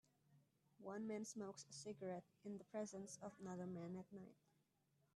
One man smokes a cigarette in the presence of another man at night